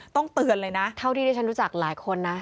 เตือนเลยนะเท่าที่ที่ฉันรู้จักหลายคนนะ